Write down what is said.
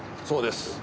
そうです。